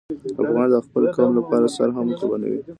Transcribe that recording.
افغان د خپل قوم لپاره سر هم قربانوي.